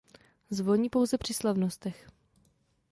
Zvoní pouze při slavnostech.